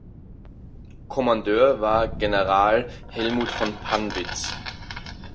Kommandeur war General Helmuth von Pannwitz.